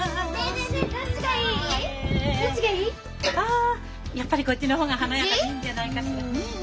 あやっぱりこっちの方が華やかでいいんじゃないかしらねえ？